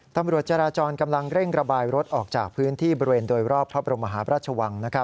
ตำรวจจราจรกำลังเร่งระบายรถออกจากพื้นที่บริเวณโดยรอบพระบรมหาพระราชวัง